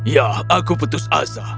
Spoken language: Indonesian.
ya aku putus asa